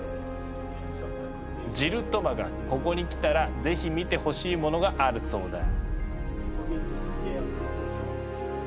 ジル・トマがここに来たらぜひ見てほしいものがあるそうだ。